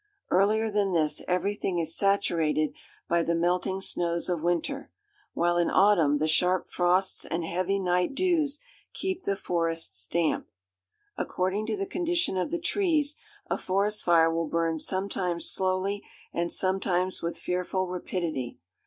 Earlier than this, everything is saturated by the melting snows of winter, while in autumn the sharp frosts and heavy night dews keep the forests damp. According to the condition of the trees, a forest fire will burn sometimes slowly and sometimes with fearful rapidity.